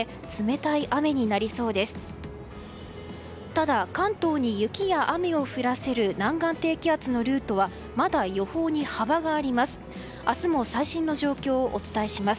ただ、関東に雪や雨を降らせる南岸低気圧のルートはまだ予報に幅があります。